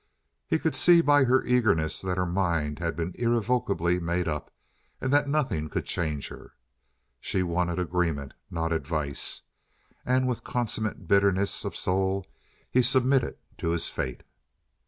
He could see by her eagerness that her mind had been irrevocably made up, and that nothing could change her. She wanted agreement, not advice. And with consummate bitterness of soul he submitted to his fate.